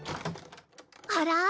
あら？